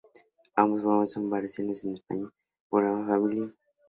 Ambos programas son las versiones en Español del programa "Family Feud".